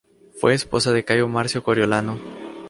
Fue esposa de Cayo Marcio Coriolano.